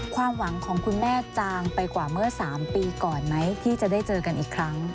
ความหวังของคุณแม่จางไปกว่าเมื่อ๓ปีก่อนไหมที่จะได้เจอกันอีกครั้ง